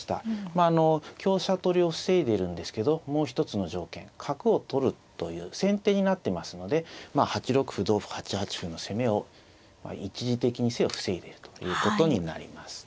まああの香車取りを防いでいるんですけどもう一つの条件角を取るという先手になってますのでまあ８六歩同歩８八歩の攻めを一時的にせよ防いでるということになります。